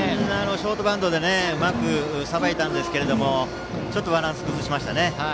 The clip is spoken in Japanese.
ショートバウンドでうまくさばいたんですがちょっとバランスを崩しました。